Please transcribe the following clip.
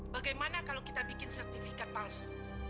bagaimana kalau kita bikin sertifikat palsu